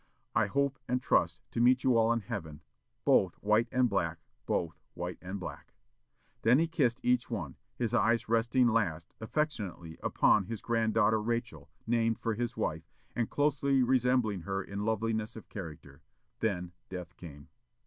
I hope and trust to meet you all in Heaven, both white and black both white and black." Then he kissed each one, his eyes resting last, affectionately, upon his granddaughter Rachel, named for his wife, and closely resembling her in loveliness of character; then death came.